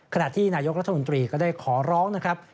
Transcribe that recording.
ขณะที่นายกรัฐมนตรีก็ได้ขอร้องนะครับ